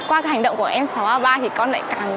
qua hành động của em sáu a ba thì con lại càng